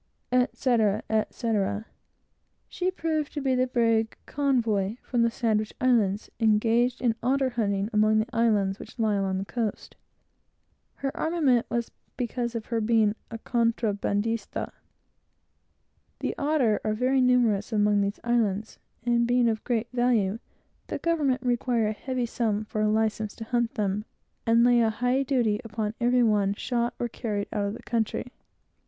etc., etc. She proved to be the brig Convoy, from the Sandwich Islands, engaged in otter hunting, among the islands which lie along the coast. Her armament was from her being an illegal trader. The otter are very numerous among these islands, and being of great value, the government require a heavy sum for a license to hunt them, and lay a high duty upon every one shot or carried out of the country.